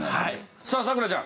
さあ咲楽ちゃん。